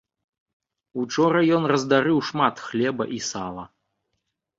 Учора ён раздарыў шмат хлеба і сала.